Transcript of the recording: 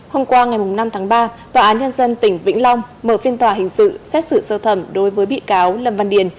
hôm qua ngày năm tháng ba tòa án nhân dân tỉnh vĩnh long mở phiên tòa hình sự xét xử sơ thẩm đối với bị cáo lâm văn điền